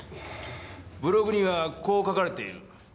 ブログにはこう書かれている。